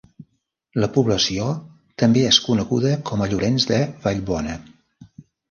La població també és coneguda com a Llorenç de Vallbona.